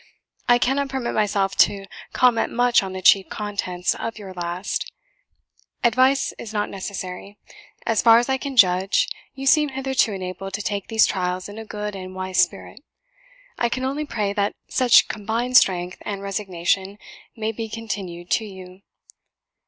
... I cannot permit myself to comment much on the chief contents of your last; advice is not necessary: as far as I can judge, you seem hitherto enabled to take these trials in a good and wise spirit. I can only pray that such combined strength and resignation may be continued to you.